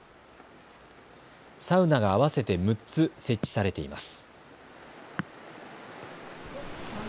サウナが合わせて６つ設置されています。